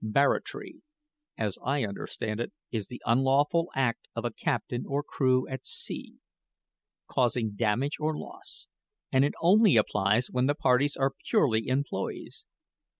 Barratry, as I understand it, is the unlawful act of a captain or crew at sea, causing damage or loss; and it only applies when the parties are purely employees.